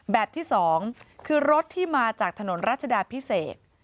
แบบที่๒คือรถที่มาจากถนนรัชดาพิเศษ